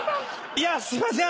いやすいません。